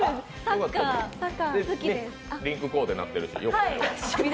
リンクコーデなってるし。